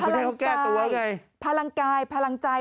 ให้เขาแก้ตัวไงพลังกายพลังใจ